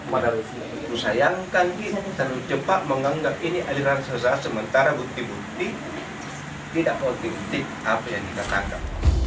saya sayangkan ini terlalu cepat menganggap ini ajaran sesat sementara bukti bukti tidak kontinit apa yang ditangkap